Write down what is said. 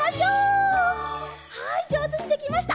はいじょうずにできました！